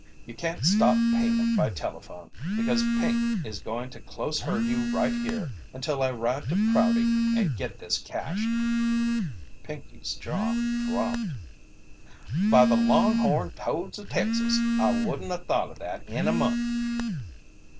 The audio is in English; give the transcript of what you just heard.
You can't stop payment by telephone, because Pink is going to close herd you right here until I ride to Prouty and get this cashed." Pinkey's jaw dropped. "By the long horn toads of Texas! I wouldn't 'a' thought of that in a month!"